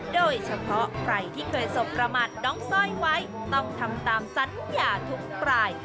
โดยเฉพาะใครที่เคยสบประมาทน้องสร้อยไว้ต้องทำตามสัญญาทุกราย